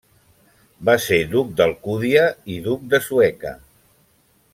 Va ser duc d'Alcúdia i duc de Sueca.